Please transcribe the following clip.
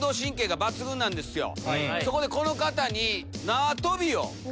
そこでこの方に。